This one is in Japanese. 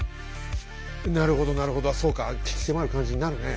なるほどなるほどそうか鬼気迫る感じになるね